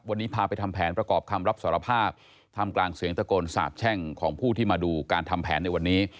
วันนี้พาไปทำแผนประกอบคำรับสารภาพทำกลางเสียงตะโกนสาบแช่งของผู้ที่มาดูการทำแผนในวันนี้